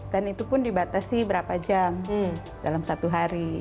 dan itu pun dibatasi berapa jam dalam satu hari